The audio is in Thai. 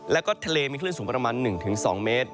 แล้วก็ทะเลมีคลื่นสูงประมาณ๑๒เมตร